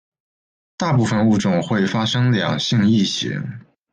大部份物种会发生两性异形。